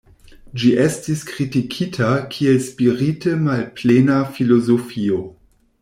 Ĝi estis kritikita kiel spirite malplena filozofio.